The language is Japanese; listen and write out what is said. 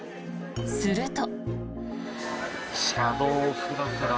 すると。